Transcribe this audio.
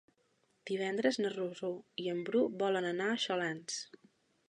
Divendres na Rosó i en Bru volen anar a Xalans.